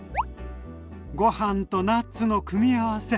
ご飯とナッツの組み合わせ。